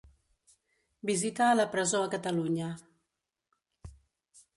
Visita a la presó a Catalunya.